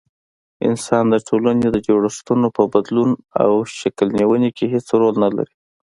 انسان د ټولني د جوړښتونو په بدلون او شکل نيوني کي هيڅ رول نلري